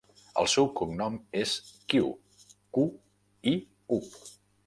El seu cognom és Qiu: cu, i, u.